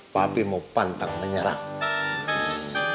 papi mau pantang menyerang